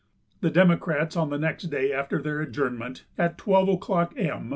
The Democrats on the next day after their adjournment, at 12 o'clock M.